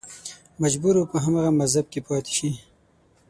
مجبور و په هماغه مذهب کې پاتې شي